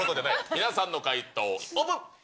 皆さんの回答オープン。